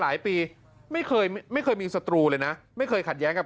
หลายปีไม่เคยไม่เคยมีศัตรูเลยนะไม่เคยขัดแย้งกับ